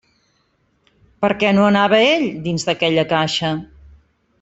Per què no anava ell dins d'aquella caixa?